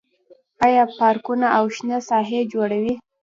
آیا پارکونه او شنه ساحې جوړوي؟